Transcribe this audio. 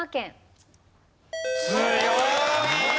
強い！